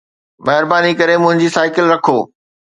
مهرباني ڪري منهنجي سائيڪل رکو